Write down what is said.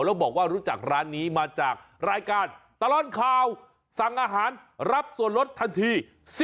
แล้วบอกว่ารู้จักร้านนี้มาจากรายการตลอดข่าวสั่งอาหารรับส่วนลดทันที